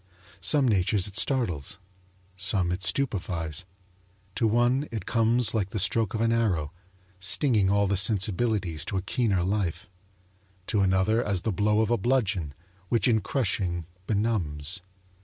Some natures it startles; some it stupefies. To one it comes like the stroke of an arrow, stinging all the sensibilities to a keener life; to another as the blow of a bludgeon, which in crushing benumbs.